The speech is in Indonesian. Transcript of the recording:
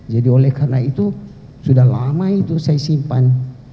jadi oleh karena itu sudah lama itu saya simpan